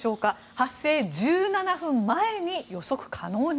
発生１７分前に予測可能に。